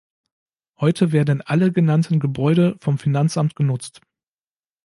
Heute werden alle genannten Gebäude vom Finanzamt genutzt.